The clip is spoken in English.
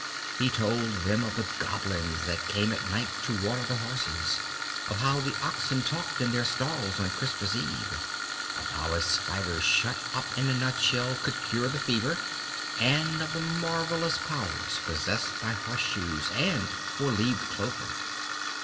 He told them of the goblins that came at night to water the horses, of how the oxen talked in their stalls on Christmas Eve, of how a spider shut up in a nutshell could cure the fever, and of the marvellous powers possessed by horse shoes and four leaved clover.